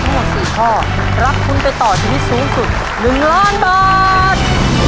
ถ้าตอบถูก๔ข้อรับคุณไปต่อชีวิตสูงสุด๑๐๐๐๐๐บาท